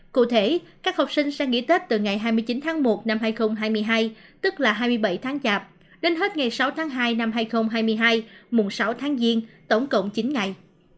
cụ thể các học sinh sẽ nghỉ tết từ ngày hai mươi chín tháng một năm hai nghìn hai mươi hai tức là hai mươi bảy tháng chạp đến hết ngày sáu tháng hai năm hai nghìn hai mươi hai mùng sáu tháng giêng tổng cộng chín ngày